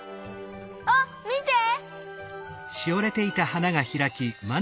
あっみて！